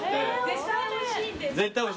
絶対おいしいですか？